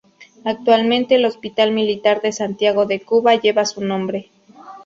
Actualmente, el Hospital Militar de Santiago de Cuba lleva su nombre.